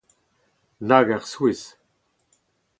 Nag ur souezh